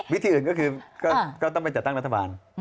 วิธีอื่นก็คือก็ต้องไปจัดตั้งรัฐบาล